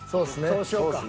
そうしよか。